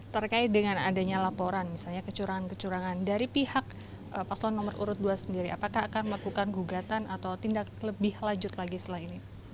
terkait dengan adanya laporan misalnya kecurangan kecurangan dari pihak paslon nomor urut dua sendiri apakah akan melakukan gugatan atau tindak lebih lanjut lagi setelah ini